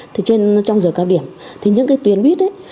thế cho nên trong giờ cao điểm thì những cái tuyến buýt ấy